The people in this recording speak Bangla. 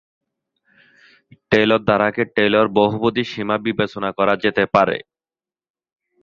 টেইলর ধারাকে টেইলর বহুপদীর সীমা বিবেচনা করা যেতে পারে।